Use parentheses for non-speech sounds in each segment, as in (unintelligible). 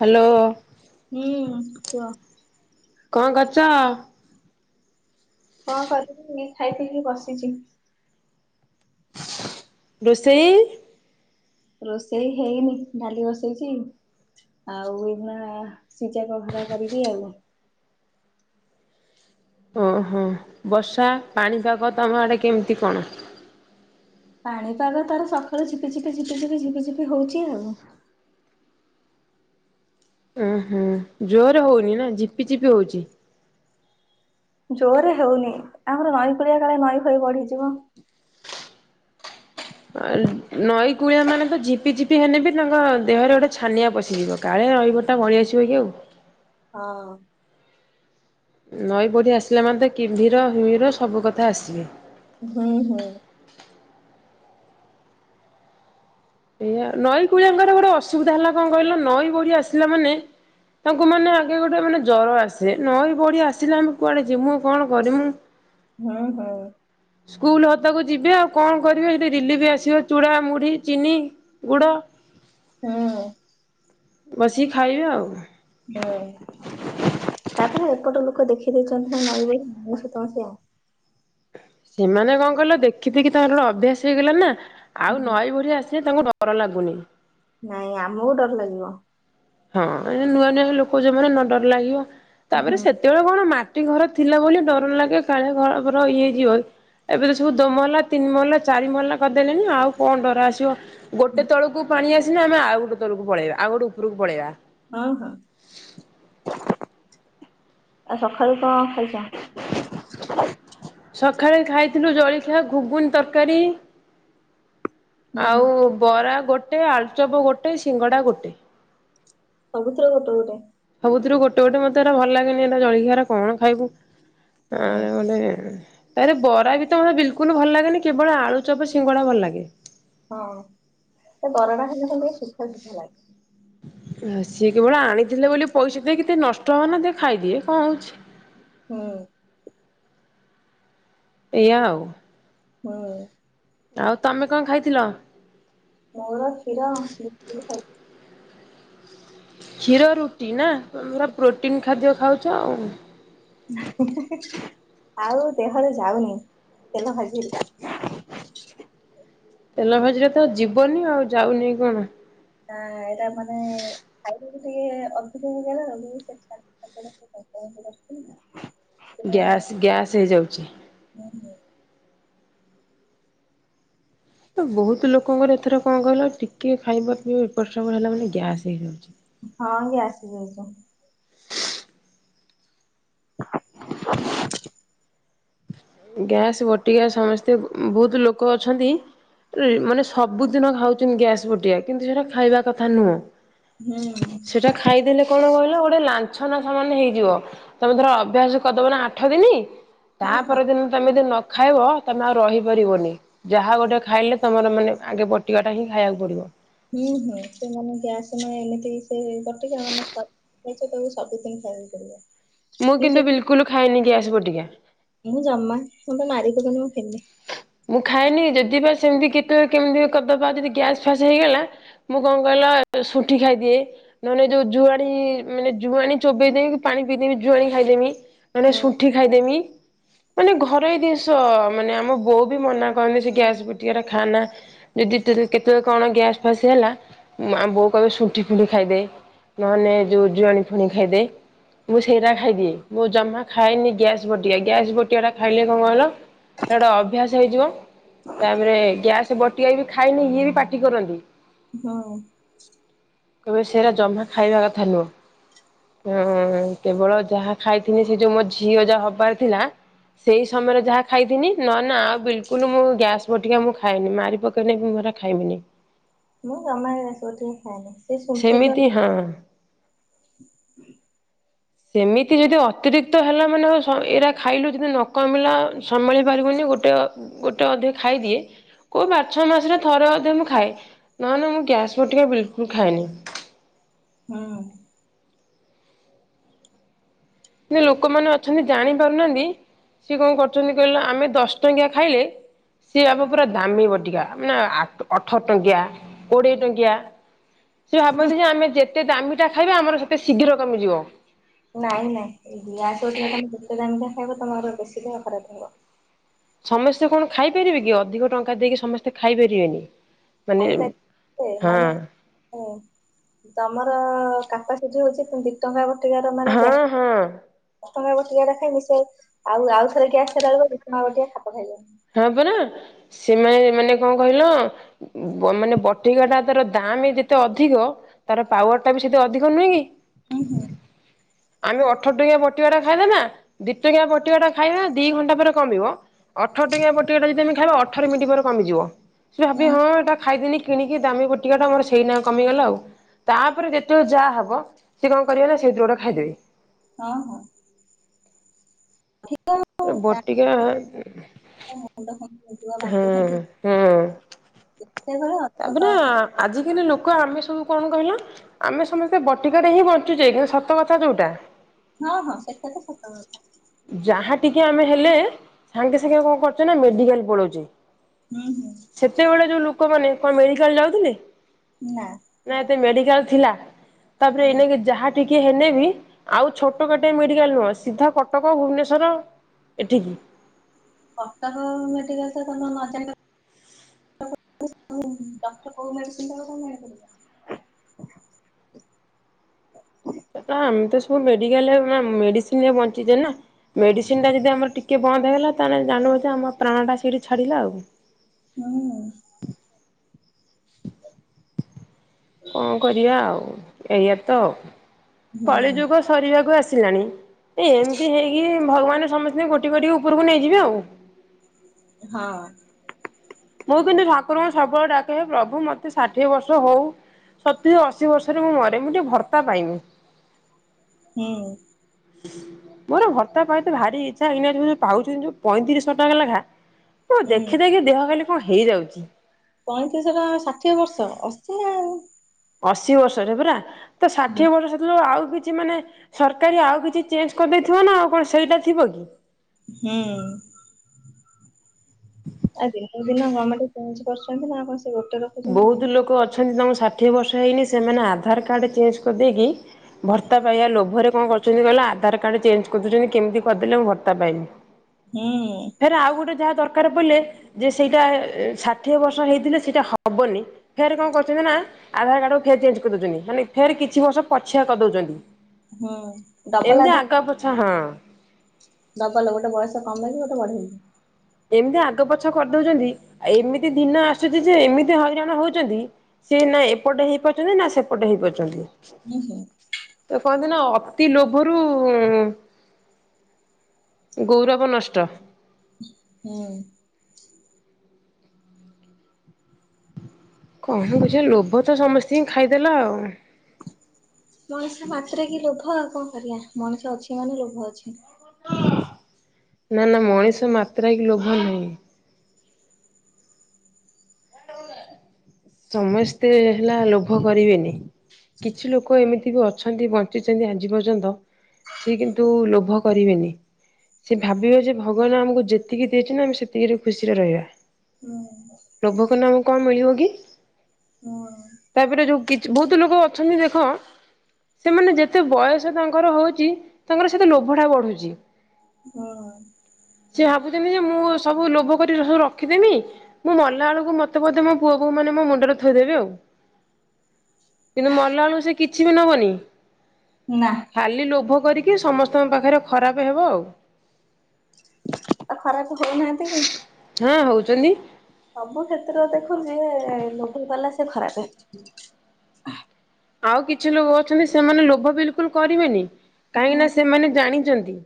Hello. ହୁଁ କୁହ। କଣ କରୁଛ? କଣ କରିବି ଖାଇ ପିଇକି ବସିଛି। ରୋଷେଇ। ରୋଷେଇ ହେଇନି ଡାଲି ବସେଇଚି। ଆଉ ଏଇନା ସିଚାକ ଘରା କରିବି ଆଉ। ଓହୋ ବର୍ଷା ପାଣିପାଗ ତମ ଆଡେ କେମିତି କଣ? ପାଣିପାଗ ତାର ସକାଳୁ ଝିପି ଝିପି ଝପି ଝିପି ଝିପି ହଉଛି ଆଉ। ଓହୋଁ ଜୋର୍ ରେ ହଉନି ନାଇ ଝିପି ଝିପି ହଉଛି। ଜୋରେ ହଉନି ଆମର ନଈ କୂଳିଆ କାଳେ ନଈ ଫଇ ବଢିଯିବ। ଆ ନଈ କୂଳିଆ ମାନେ ତ ଝିପି ଝିପି ହେଲେ ବି ତାଙ୍କ ଦେହରେ ଗୋଟେ ଛାନିଆ ପଶିଯିବ। କାଳେ ନଈକୂଳଟା ବଳେଇ ଆସିବ କି ଆଉ। ହଁ। ନଈ ବଢ଼ି ଆସିଲେ ମାନେ ତ କିମ୍ଭୀର ହିମିର ସବୁ କଥା ଆସିବେ। ହୁଁ ହୁଁ। ଏଇଆ ନଈ କୁଳିଆଙ୍କର ଗୋଟେ ଅସୁବିଧା ହେଲା କଣ କହିଲ ନଈ ବଢ଼ି ଆସିଲା ମାନେ ତାଙ୍କୁ ମାନେ ଆଗେ ଗୋଟେ ମାନେ ଜ୍ୱର ଆସେ ନଈ ବଢ଼ି ଆସିଲେ ଆମେ କୁଆଡ଼େ ଯିମୁ କଣ କରିମୁ ହୁଁ ହୁଁ ସ୍କୁଲ୍ ହତା କୁ ଯିବି ଆଉ କଣ କରିବେ ସେଠି ରିଲିଫ୍ ଆସିବ ଚୂଡ଼ା ମୁଢି ଚିନି ଗୁଡ। ହୁଁ। ବସିକି ଖାଇବେ ଆଉ ହ ତାପରେ ଏପଟ ଲୋକ ଦେଖିଦେଇଛନ୍ତି ନା ନଈ ଭଁ ତଣ ସେଇ ଆ ସେମାନେ କଣ କହିଲ ଦେଖି ଦେଖି ତାଙ୍କର ଗୋଟେ ଅଭ୍ୟାସ ହେଇଗଲାଣି ନା ଆଉ ହୁଁ, ନଈ ବଢି ଆସିଲେ ତାଙ୍କୁ ଡ ଡ଼ର ଲାଗୁନି। ନାଇଁ ଆମକୁ ଡର ଲାଗିବ। ହଁ ନୂଆ ନୂଆ ଲୋକ ଯୋ ମାନେ ନ ଡର ଲାଗିବ ହୁଁ ତାପରେ ସେ ହଁ ହେତେବେଳେ କଣ ମାଟି ଘର ଥିଲା ବୋଲି ଡର ଲାଗେ କାଳେ ଘର ଫର ଇଏ ହେଇ ଯିବ ଏବେ ତ ସବୁ ଦୋ ମହଲା ତିନି ମହଲା ଚାରି ମହଲା କରିଦେଲେଣିି ଆଉ କଣ ଡର ଆସିବ। ଗୋଟେ ତଳକୁ ପାଣି ଆସିଲେ ଆମେ ଆଉ ଗୋଟେ ତଳକୁ ପଳେଇବା ଆଉ ଗୋଟେ ଉପରକୁ ପଳେଇବା। ହଁ ହଁ। ଆଉ ସକାଳୁ କଣ ଖାଇଚ? (inaudible) ସଖାଳେ ଖାଇଥିଲୁ ଜଳଖିଆ ଘୁଘୁନି ତରକାରୀ। ହୁଁ। ଆଉ ବରା ଗୋଟେ ଆଳୁଚପ୍ ଗୋଟେ ସିଙ୍ଗଡା ଗୋଟେ। ସବୁଥିରୁ ଗୋଟେ ଗୋଟେ। ସବୁଥିରୁ ଗୋଟେ ଗୋଟେ ମତେ ହେରା ଭଲ ଲାଗେନି ଏ ଜଳଖିଆାର କଣ ଖାଇବୁ? (unintelligible) ହୁଁ ତାପରେ ବରା ବି ତ ମତେ ବିଲକୁଲ୍ ଭଲ୍ ଲାଗେନି କେବଳ ଆଳୁ ଚପ ସିଙ୍ଗଡା ଭଲ ଲାଗେ। ହଁ ସେ ବରାଟା ଖାଇଲେ ହେଲା ସୁଖା ସୁଖା ଲାଗେ। ଆ ସିଏ କେବଳ ଆଣିଥିଲେ ବୋଲି ପଇସା ଦେଇ କେତେ ନଷ୍ଟ ହବ ନା ଦେ ଖାଇଦିଏ କଣ ହଉଛି। ହୁଁ। ଏଇଆ ଆଉ। ହୁଁ। ଆଉ ତମେ କଣ ଖାଇଥିଲ? ମୋର କ୍ଷୀର ବିସ୍କୁଟ୍ ଖାଇଥିଲି। କ୍ଷୀର ରୁଟି ନା ପୁରା ପ୍ରୋଟିନ୍ ଖାଦ୍ୟ ଖାଉଚ ଆଉ। ହିଁ ହିଁ ହିଁ ଆଉ ଦେହରେ ଯାଉନି ତେଲ ଭାଜିିଲେ। ତେଲ ଭାଜିରେ ତ ଯିବନି ଆଉ ଯାଉନି କଣ। ଆ ଏଇଟା ମାନେ ଖାଇ ପିଇ ଟିକେ ଅଧିକ ହେଇଗଲେ (unintelligible) ଗ୍ୟାସ୍ ଗ୍ୟାସ୍ ହେଇଯାଉଚି। ହୁଁ ହୁଁ। ତ ବହୁତ ଲୋକଙ୍କର ଏଥର କଣ କହିଲ ଟିକେ ଖାଇବା ପିଇବା ଏପଟ୍ ସେପଟ୍ ହେଲା ମାନେ ଗ୍ୟାସ୍ ହେଇଯାଉଚି। ହଁ ଗ୍ୟାସ ହେଇଯାଇଛି। (inaudible) ଗ୍ୟାସ୍ ବଟିକା ସମସ୍ତେ ବହୁତ୍ ଲୋକ ଅଛନ୍ତି। ମାନେ ସବୁଦିନ ଖାଉଛନ୍ତି ଗ୍ୟାସ୍ ବଟିଆ କିନ୍ତୁ ସେଟା ଖାଇବା କଥା ନୁହଁ। ହୁଁ ସେଟା ଖାଇଦେଲେ କଣ କହିଲ ଗୋଟେ ଲାଛନା ସମାନ ହେଇଯିବ। ତମେ ଧର ଅଭ୍ୟାସ କରିଦବ ନା ଆଠ ଦିନ ତା ହଁ ହଁ ତମେ ପରଦିନ ଯଦି ନ ଖାଇବ ତମେ ଆଉ ରହିପାରିବନି। ଯାହା ଗୋଟେ ଖାଇଲେ ତମର ମାନେ ଆଗେ ବଟିକା ଟା ହିଁ ଖାଇବାକୁ ପଡିବ। ହୁଁ ହୁଁ ସେମାନେ ଗ୍ୟାସ୍ ନ ଏମିତି ସେ ବଟିକା ମାନେ ଥ ନେଇଚ ତମେ ସବୁଦିନ୍ ଖାଇବାକୁ ପଡିବ। ମୁଁ କିନ୍ତୁ ବିଲ୍କୁଲ୍ ଖାଏନି ଗ୍ୟାସ୍ ବଟିକା। ମୁଁ ଜମା ମୋତେ ମାରିପକେଇଲେ ବି ମୁଁ ଖାଇବିନି। ମୁଁ ଖାଏନି ଯଦି ବା ସେମତି କେତେବେଳେ କେମତି କଦବା ଯଦି ଗ୍ୟାସ୍ ଫ୍ୟାସ୍ ହେଇଗଲା। ମୁଁ କଣ କହିଲ ଶୁଣ୍ଠି ଖାଇଦିଏ। ନହଲେ ଏ ଯୋଉ ଜୁଆଣି ମାନେ ଜୁଆଣି ଚୋବେଇଦେଇକି ପାଣି ପିଇଦେବି ଜୁଆଣି ଖାଇଦେମି। ମାନେ ହୁଁ ଶୁଣ୍ଠି ଖାଇଦେମି ମାନେ ଘରୋଇ ଦିନିଷ ମାନେ ଆମ ବୋ ଉ ବି ମନା କରନ୍ତି ସେ ଗ୍ୟାସ୍ ବଟିକାରା ଖାଆନା। ଯଦି ତେଲେ କେତେବେଳେ କଣ ଗ୍ୟାସ ଫ୍ୟାସ୍ ହେଲା ଆମ ବୋଉ କହିବେ ଶୁଣ୍ଠି ଫୁଣ୍ଠି ଖାଇଦେ। ନହେଲେ ଯୋଉ ଜୁଆଣି ଫୁଆଣି ଖାଇଦେ। ମୁଁ ସେଇଟା ଖାଇଦିିଏ ମୁଁ ଜମା ଖାଏନି ଗ୍ୟାସ୍ ବଟିଆ ଗ୍ୟାସ୍ ବଟିକାଟା ଖାଇଲେ କଣ କହିଲ। ସେଇଟା ଅ ଭ୍ୟାସ ହେଇଯିବ ତାପରେ ଗ୍ୟାସେ ବଟିକା ବି ଖାଇଲେ ଇଏ ବି ପାଟି କରନ୍ତି। ହଁ। କହିବେ ସେରା ଜମା ଖାଇବା କଥା ନୁହଁ। ହଁ ହଁ ହଁ କେବଳ ଯାହା ଖାଇଥିଲି ସେ ଯୋଉ ମୋ ଝିଅ ଯା ହବାର ଥିଲା। ସେଇ ସମୟରେ ଯାହା ଖାଇଥିନି ନ ନା ଆଉ ବିଲ୍କୁଲ୍ ମୁଁ ଗ୍ୟାସ୍ ବଟିକା ମୁଁ ଖାଇନି ମାରି ପକେଇଲେ ବି ମୁଁ ହେରା ଖାଇବିନି। ମୁଁ ଜମା ବି ଗ୍ୟାସ୍ ବଟିକା ଖାଏନି। ସେ ଶୁଣ୍ଠି ଜ ସେମିତି ହଁ। ସେମିତି ଯଦି ଅତିରିକ୍ତ ହେଲା ମାନେ ଅ ସ ଏଇରା ଖାଇଲୁ ଯଦି ନ କମିଲା ସମ୍ଭାଳି ପାରିବୁନି ଗୋଟେ ଅ ଗୋଟେ ଅଧେ ଖାଇଦିଏ। କୋଉ ବାର୍ ଛଅ ମାସରେ ଥରେ ଅଧେ ମୁଁ ଖାଏ ନହେଲେ ମୁଁ ଗ୍ୟାସ୍ ବଟିକା ବିଲ୍କୁଲ୍ ଖାଏନି। ହୁଁ। ଯୋଉ ଲୋକମାନେ ଅଛନ୍ତି ଜାଣିପାରୁନାହାନ୍ତି ସିଏ କଣ କରୁଚନ୍ତି କହିଲ ଆମେ ଦଶ ଟଙ୍କିଆ ଖାଇଲେ। ସିଏ ବାପ ପୁରା ଦାମୀ ବଟିକା ମାନେ ଆଟ୍ ଅଠର ଟଙ୍କିଆ। କୋଡିଏ ଟଙ୍କିଆ। ସେ ଭାବନ୍ତି ଯେ ଆମେ ଯେତେ ଦାମିଟା ଖାଇବା ଆମର ସେତେ ଶୀଘ୍ର କମିଯିବ। ନାଇଁ ନାଇଁ ଏଇ ଗ୍ୟାସେ ବଟିକାଟା ଯେତେ ଦାମିକିଆ ଖାଇବ ତମର ବେଶୀ ଦେହ ଖରାପେ ହବ। ସମସ୍ତେ କଣ ଖାଇପାରିବେ କି ଅଧିକ ଟଙ୍କା ଦେଇକି ସମସ୍ତେ ଖାଇ ପାରିବେନି। ଖାଇପାରିବେ ମାନେ। ହାଲୋ ତମର କାପାସିଟି ହଉଚି ତମେ ଦି ଟଙ୍କାର। ସେଠିକାର ମାନେ ହଁ ଗ୍ୟା ହଁ ଆଠ ଟଙ୍କିଆ ଦଶ ଟଙ୍କିଆରା ଖାଇଲେ ଶୋ ଆଉ ଆଉ ଥରେ ଗ୍ୟାସ୍ ବଟିକା ଟା ଖାଇଲେ (unintelligible) ବଟିକା ଖାପ ଖାଇବନି। ହଁ ପରା ସେମାନେ ମାନେ କଣ କହିଲ। ବନ୍ ମାନେ ବଟିକା ଟା ତାର ଦାମେ ଯେତେ ଅଧିକ। ତାର ପାୱାର ଟା ବି ସେତେ ଅଧିକ ନୁହେଁ ହୁଁ ହୁଁ କି। ଆମେ ଅଠର ଟଙ୍କିଆ ବଟିକାଟା ଖାଇବାନା ଦି ଟଙ୍କିଆ ବଟିକାଟା ଖାଇବା ଦି ଘଣ୍ଟା ପରେ କମିବ। ଅଠର ଟଙ୍କିଆ ବଟିକାଟା ଯଦି ଆମେ ଖାଇବା ଅଠର ମିଣ୍ଟି ପରେ କମିଯିବ ସେ ଭାବିବେ ହୁଁ ହଁ ଏଟା ଖାଇଦେନି। କିଣିକି ଦାମୀ ବଟିକାଟା ମୋର ସେଇନା କମିଗଲା ଆଉ। ତାପରେ ଯେତବଳେ ଯାହା ହବ ସେକଣ କରିବ ନା ସେଇଥୁରୁ ଗୋଟା ଖାଇଦେବି। ହଁ ହଁ। ଆ ଠିକ୍ ତ। ସେ ବଟିକା। ଏ ମୁଣ୍ଡ କଣ ହେଇଯିବ ହଁ ଫାନ୍ତି ହଁ। କେତେଥର। ତାପରେ ଆଜିିକାଲି ଲୋକ ଆମେ ସବୁ କଣ କହିଲ? ଆମେ ସମସ୍ତେ ବଟିକାରେ ହିଁ ବଞ୍ଚୁଛେ କିନ୍ତୁ ସତକଥା ଯେଉଁଟା। ହଁ ହଁ। ସେଟା ତ ସତ କଥା। ଯାହା ଟିକେ ଆମେ ହେଲେ, ସାଙ୍ଗେ ସାଙ୍ଗେ କଣ କରୁଛେ ନା ମେଡିକାଲ ପଲେଉଛେ ହୁଁ ହୁଁ। ସେତେବେଳେ ଯେଉଁ ଲୋକମାନେ କଣ ମେଡ଼ିକାଲ ଯାଉଥିଲେ? ନା। ନା ଏତେ ମେଡିକାଲ ଥିଲା। ତାପରେ ମୁଁ ଏଇନିକେ ଯାହା ଟିକେ ହେନେବି ଆଉ ଛୋଟ କାଟିଆ ମେଡିକାଲ ନୁହଁ ସିଧା କ କଟକ, ଭୁବନେଶ୍ୱର ଏଠିକି କଟକ ମେଡିକାଲ ତ ତମ ନଜାଙ୍କ (inaudible) ଡକ୍ଟର କୋଉ ମେଡିସିନ୍ ଦେବାକୁ ମନା କଲେ? ଆମେ ତ ସବୁ ମେଡିକାଲ ମେଡିସିନ ରେ ବଞ୍ଚିଛେ ନା? ମେଡ଼ିସିନଟା ଯଦି ଆମର ଟିକିଏ ବନ୍ଦ ହେଇଗଲା ତାହେଲେ ଜାଣିବ ଯେ ଆମ ପ୍ରାଣଟା ସେଇଠି ଛାଡ଼ିଲା ଆଉ। ହୁଁ ହୁଁ। କଣ କରିବା ଆଉ, ଏଇଆ ତ ହୁଁ କଳିଯୁଗ ସରିବାକୁ ଆସିଲାଣି ଏ ଏମିତି ହେଇକି ଭଗବାନ ସମସ୍ତେ ଗୋଟି ଗୋଟି ଉପରକୁ ନେଇଯିବେ ଆଉ। ହଁ। ମୁଁ କିନ୍ତୁ ଠାକୁରଙ୍କୁ ସବୁବେଳେ ଡାକେ ହେଁ ପ୍ରଭୁ ମତେ ଷାଠିଏ ବର୍ଷ ହଉ ସତୁରି ଅଶୀ ବର୍ଷରେ ମୁଁ ମରେ ମୁଁ ଟିକେ ଭର୍ତ୍ତା ପାଇମି। ହୁଁ। ମୋର ଭର୍ତ୍ତା ପାଇଁ ତେ ଭାରି ଇଚ୍ଛା ଏଇନା ଯଉ ପାଉଛନ୍ତି ଯୋଉ ପଇଁତିରିଶହ ଟଙ୍କା ଲେଖା ହଁ ଦେଖି ହୁଁ। ଦେଖି ଦେହ ଖାଲି କଣ ହେଇଯାଉଛି। ପଇଁତିରିଶ ଟଙ୍କା ଷାଠିଏ ବର୍ଷ ଅଶି ନା ଆଉ। ଅଶୀ ବର୍ଷରେ ପରା ତ ହୁଁ। ଷାଠିଏ ବର୍ଷ ଆଉ କିଛି ମାନେ ସରକାରୀ ଆଉ କିଛି ଚେଞ୍ଜ କରିଦେଇଥିବ ନା ଆଉ କଣ ସେଇଟା ଥିବ କି? ହୁଁ। ଆ ଦିନକୁ ଦିନ ଗଭମେଣ୍ଟ ଚେଞ୍ଜ କରୁଛନ୍ତି ନା ଆଉ କଣ ସେ ଗୋଟେର ବହୁତ ଲୋକ ଅଛନ୍ତି ତମ ଷାଠିଏ ବର୍ଷ ହେଇନି ସେମାନେ ଆଧାର କାର୍ଡ ଚେଞ୍ଜ କରିଦେଇକି ଭର୍ତ୍ତା ପାଇବା ଲୋଭରେ କଣ କରୁଛନ୍ତି କହିଲ ଆଧାର କାର୍ଡ ଚେଞ୍ଜ କରିଦଉଛନ୍ତି କେମିତି କରିଦେଲେ ମୁଁ ଭର୍ତା ପାଇମି। ହୁଁ। ଫେରେ ଆଉ ଗୋଟେ ଯାହା ଦରକାର ପଇଲେ ଯେ ସେଇଟା ଷାଠିଏ ବର୍ଷ ହେଇଥିଲେ ସେଇଟା ହ ହବନି ଫେର୍ କଣ କରୁଛନ୍ତି ନା ଆଧାର କାର୍ଡ ଫେରେ ଚେଞ୍ଜ କରିଦଉଛନ୍ତି ମାନେ ଫେରେ କିଛି ବର୍ଷ ପଛୁଆ କରିଦଉଛନ୍ତି। ହୁଁ ଡବଲ ଏମିତି ଆଧ ଆଗ, ପଛ ହଁ। ଡବଲ ଗୋଟେ ବୟସ କମେଇବେ ଗୋଟେ ବଢ଼େଇବେ। ଏମିତି ଆଗ ପଛ କରିଦଉଛନ୍ତି ଆଉ ଏମିତି ଦିନ ଆସୁଛି ଯେ ଏମିତି ହଇରାଣ ହଉଛନ୍ତି, ସିଏ ନା ଏପଟେ ହେଇପାରୁଛନ୍ତି ନା ସେପଟେ ହେଇପାରୁଛନ୍ତି। ହୁଁ ହୁଁ। ତ କୁହନ୍ତି ନା ଅତି ଲୋଭରୁ ଗୌରବ ନଷ୍ଟ। ହୁଁ। କଣ କହୁଛି ଲୋଭ ତ ସମସ୍ତିଙ୍କି ଖାଇଦେଲା ଆଉ। ମଣିଷ ମାତ୍ରେକେ ଲୋଭ ଆଉ କଣ କରିବା ଆ, ମଣିଷ ଅଛି ମାନେ ଲୋଭ ଅଛି। ନା-ନା ମଣିଷ ମାତ୍ରେ କେ ଲୋଭ ନାହିଁ। ସମସ୍ତେ ହେଲା ଲୋଭ କରିବେନି। କିଛିଲୋକ ଏମିତି ବି ଅଛନ୍ତି ବଞ୍ଚିଚନ୍ତି ଆଜି ପର୍ଯ୍ୟନ୍ତ ଅଛି କିନ୍ତୁ ଲୋଭ କରିବେନି। ସେ ଭାବିବେ ଯେ ଭଗବାନ ଆମକୁ ଯେତିକି ଦେଇଛନ୍ତି ଆମେ ସେତିକିରେ ଖୁସିରେ ରହିବା। ହୁଁ। ଲୋଭ କଲେ ଆମୁକୁ କଣ ମିଳିବ କି? (unintelligible) ତାପରେ ଯୋଉ କିଛି ବହୁତ୍ ଲୋକ ଅଛନ୍ତି ଦେଖ ସେମାନେ ଯେତେ ବୟସ ତାଙ୍କର ହଉଚି ତାଙ୍କର ସେତେ ଲୋଭଟା ବଢ଼ୁଛି। ହଁ। ସେ ଭାବୁଛନ୍ତି ଯେ ମୁଁ ସବୁ ଲୋଭ କରି ସବୁ ରଖିଦେମି। ମୁଁ ମଲାବେଳକୁ ମତେ ବୋଧେ ମୋ ପୁଅ ବୋହୂ ମାନେ ମୋ ମୁ ଣ୍ଡରେ ଥୋଇଦେବେ ଆଉ, କିନ୍ତୁ ମଲା ବେଳକୁ ସେ କିଛି ବି ନବନି। ନା। ଖାଲି ଲୋଭ କରିକି ସମସ୍ତଙ୍କ ପାଖରେ ଖରାପ ହେବ ଆଉ। ଆଉ ଖରାପ ହଉନାହାନ୍ତି କି? ହଁ ହଉଚନ୍ତି। ସବୁ କ୍ଷେତ୍ର ଦେଖ ଯିଏ ଲୋଭ କଲା ସେ ଖରାପେ। ଆଉ କିଛି ଲୋକ ଅଛନ୍ତି ସେମାନେ ଲୋଭ ବିଲକୁଲ୍ କରିବେନି, ହୁଁ କାହିଁକିନା ସେମାନେ ଜାଣିଚନ୍ତି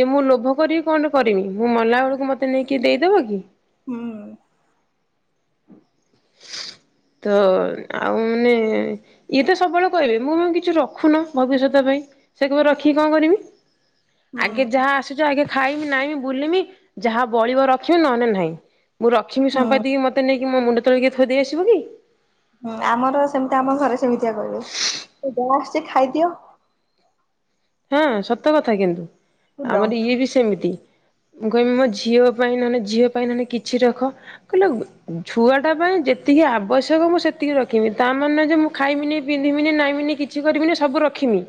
ଯେ ମୁଁ ଲୋଭ କରିକି କଣ ଟେ କରିମି, ମୁଁ ମଲାବେଳକୁ ମତେ ନେଇକି ଦେଇଦେବ କି। ହୁଁ। ତ ଆଉ ମାନେ ଇଏ ତ ସବୁବେଳେ କହିବେ ମୋ ପାଇଁ କିଛି ରଖୁନ ଭବିଷ୍ୟତ ପାଇଁ, ସେ କହିବେ ରଖିକି କଣ କରମି? ହୁଁ। ଆଗେ ଯାହା ଆସୁଛ ଆଗେ ଖାଇମି ନାଇମି ବୁଲିମି ଯାହା ବଳିବ ରଖିବି ନହେଲେ ନାହିଁ। ମୁଁ ରଖିବି ହୁଁ ସମ୍ପାତି ମତେ ନେଇିକି ମୋ ମୁଣ୍ଡ ତଳେ କିଏ ଥୋଇ ଦେଇଆସିବ କି? ହୁଁ ଆମର ସେମିତି ଆମ ଘରେ ସେମିତିଆ କହିବେ, ଜାହା ଆସିଛି ଖାଇଦିଅ। ହଁ ସତ କଥା କିନ୍ତୁ ବୁଲ ଆମର ଇଏ ବି ସେମିତି। ମୁଁ କହିବି ମୋ ଝିଅ ପାଇଁ ନହେଲେ ଝିଅ ପାଇଁ ନହେଲେ କିଛି ରଖ। କହିଲେ ଛୁଆଟା ପାଇଁ ଯେତିକି ଆବଶ୍ୟକ ମୁଁ ସେତିକି ରଖିବି, ତା ମାନେ ଯେ ମୁଁ ଖାଇମିନି ପିନ୍ଧିବିନି ନାଇଁମିନି କିଛି କରିବିନି ସବୁ ରଖୀମି।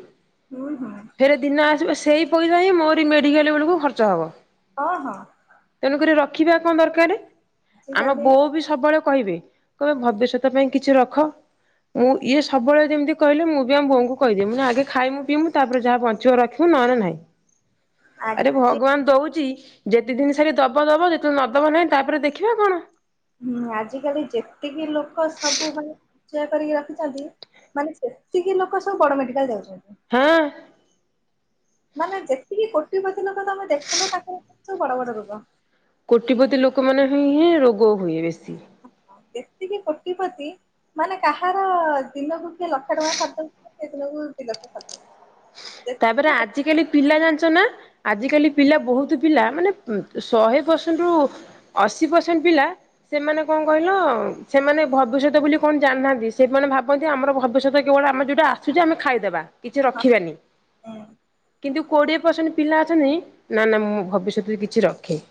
ହୁଁ ହୁଁ। ଫେରେ ଦିନ ଆସିବ ସେଇ ପଇସା ହିଁ ମୋରି ମେଡ଼ିକାଲ୍ ବେଳକୁ ଖର୍ଚ୍ଚ ହବ। ହଁ ହଁ। ତେଣୁକରି ରଖିବା କଣ ଦରକାର, ଆମ ଆଜିକାଲି ବୋଉ ବି ସବୁବେଳେ କହିବେ, କହିବେ ଭବିଷ୍ୟତ ପାଇଁ କିଛି ରଖ। ମୁଁ ଇଏ ସବୁବେଳେ ଯେମିତି କହିଲେ ମୁଁ ବି ଆମ ବୋଉଙ୍କୁ କହିଦିଏ, ମୁଁ କହିଲି ଆଗେ ଖାଇମୁୁ ପିଇମୁ ତାପରେ ଯାହା ବଞ୍ଚିବ ରଖିବୁ ନହେଲେ ନାହିଁ, ଆରେ ଆଜି ଭଗବାନ୍ ଦଉଚି ଯେତେ ଦିନିସାରି ଦବ ଦବ ଯେତେବେଳେ ନ ଦେବ ନାହିଁ, ତାପରେ ଦେଖିବା କଣ। ହୁଁ ଆଜିକାଲି ଯେତିକି ଲୋକ ସବୁ ମାନେ ସଞ୍ଚୟ କରିକି ରଖିଚନ୍ତି। ମାନେ ସେତିକି ଲୋକ ସବୁ ବଡ ମେଡିକାଲ୍ ଯାଉଚନ୍ତି। ହଁ। ମାନେ ଯେତିକି କୋଟିପତି ଲୋକ ତମେ ଦେଖୁନ ତାଙ୍କର ସବୁ ବଡ ବଡ ରୋଗ। କୋଟିପତି ଲୋକମାନେ ହିଁ ହିଁ ରୋଗ ହୁଏ ବେଶୀ। ଏତିକି କୋଟିପତି ମାନେ କାହାର ଦିନକୁ କିଏ ଲକ୍ଷ ଟଙ୍କା ସାରି ଦଉଥିବ ସେ ଦିନକୁ ଦି ଲକ୍ଷ ସାରୁ ତାପରେ ଆଜିକାଲି ପିଲା ଜାଣିଛ ନା। ଆଜ କାଲି ପିଲା ବହୁତ ପିଲା ମାନେ ଶହେ ପରସେଣ୍ଟ ରୁ। ଅଶୀ ପର୍ସେଣ୍ଟ ପିଲା ସେମାନେ କଣ କହିଲ ସେମାନେ ଭବିଷ୍ୟତ ବୋଲି କଣ ଜାଣିନାହାନ୍ତି ସେମାନେ ଭାବନ୍ତି ଆମର ଭବିଷ୍ୟତ କେବଳ ଆମେ ଯୋଉଟା ଆସୁଛି ଆମେ ଖାଇଦେବା କିଛି ରଖିବାନି। ହୁଁ। କିନ୍ତୁ କୋଡିଏ ପରସେଣ୍ଟ ପିଲା ଅଛନ୍ତି ନା ନା ମୁଁ ଭବିଷ୍ୟତରେ କିଛି ରଖେ।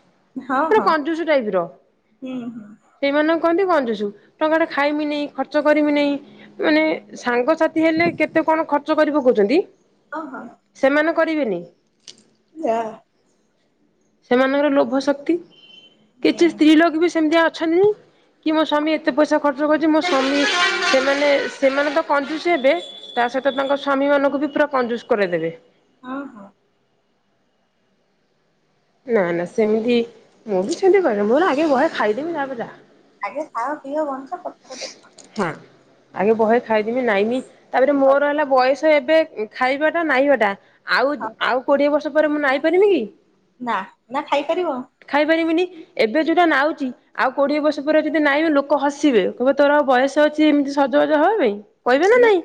ହଁ ପୁରା ହଁ କଞ୍ଜୁସ୍ ଟାଇପ୍ ର। ହୁଁ ହୁଁ ସେଇମାନଙ୍କୁ କହନ୍ତି କଞ୍ଜୁସ୍ ଟଙ୍କା ଟେ ଖାଇମି ନି ଖର୍ଚ୍ଚ କରିମି ନି। ମାନେ ସାଙ୍ଗସାଥି ହେଲେ କେତେ କଣ ଖର୍ଚ୍ଚ କରି ପକଉଛନ୍ତି। ଓହୋ। ସେମାନେ କରିବେନି। ଯା। ସେମାନଙ୍କର ଲୋଭ ଶକ୍ତି ହୁଁ କିଛି ସ୍ତ୍ରୀ ଲୋକ ବି ସେମ୍ତିଆ ଅଛନ୍ତି। କି ମୋ ସ୍ୱାମୀ ଏତେ ପଇସା ଖର୍ଚ୍ଚ କରୁଛି ମୋ ସ୍ୱାମୀ ସେମାନେ ସେମାନେ ତ କଞ୍ଜୁସ୍ ହେବେ। ତା ସହିତ ତାଙ୍କ ସ୍ୱାମୀ ମାନଙ୍କୁ ବି ପୁରା କଞ୍ଜୁସ କରେଇ ଦେବେ। ହଁ, ହଁ ନା ନା ସେମିତି ମୁଁ ବି ସେମିତି କହେନି ମୋର ଆଗେ ବହେ ଖାଇଦେବି ତା ପରେ ଯାହା। ଆଗେ ଖାଅ ପିଅ ବଂଚ (unintelligible) ହଁ, ଆଗେ ବହେ ଖାଇଦେମି ନାଇଁମି ତାପରେ ଚଳିବ ମୋର ହେଲା। ବୟସ ଏବେ ଖାଇବାଟା ନାଇଁବାଟା ଆଉ ହଁ ଆଉ କୋଡିଏ ବର୍ଷ ପରେ ମୁଁ ନାଇଁ ପାରିବି କି। ନା ନା ଖାଇ ପାରିବ। ଖାଇପାରିବିନି ଏବେ ଯୋଉଟା ନାଉଛି ଆଉ କୋଡିଏ ବର୍ଷ ପରେ ଯଦି ନାଇବି ଲୋକ ହସ୍ ସିବେ କହିବେ ତୋର ଆଉ ବୟସ ଅଛି, ଏମିତି ସଜ ବାଜ ହବା ପାଇଁ କହିବେ ନା ହୁଁ ନାଇଁ।